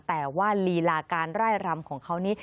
แต่ว่าลีลาการไล่รำของเขานี้